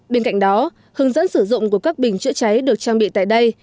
bên cạnh đó hướng dẫn sử dụng của các bình chữa cháy được trang bị tại đây